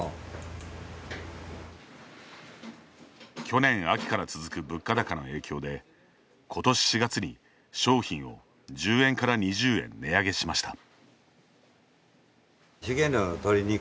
去年秋から続く物価高の影響で今年４月に商品を１０円から２０円値上げしました。